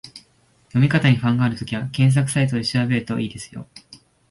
読み方に不安があるときは、検索サイトで調べると良いですよ